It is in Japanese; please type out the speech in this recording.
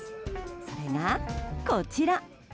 それが、こちら。